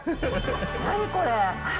何これ。